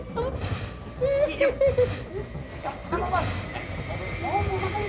berhasil akhirnya dapat tugas lagi